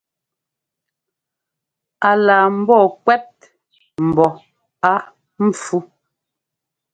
A laa mbɔɔ kuɛ́t mbɔ á npfú.